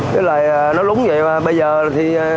thế là nó lúng vậy mà bây giờ thì